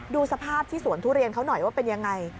ดูสภาพที่สวนทุเรียนเขาหน่อยว่าเป็นยังไง